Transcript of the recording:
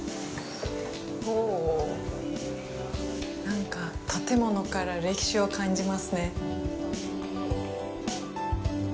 なんか建物から歴史を感じますね。